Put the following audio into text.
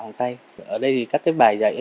bằng tay ở đây thì các cái bài dạy